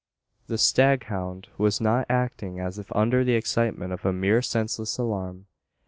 The staghound was not acting as if under the excitement of a mere senseless alarm.